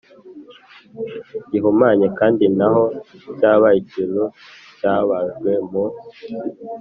gihumanye kandi naho cyaba ikintu cyabajwe mu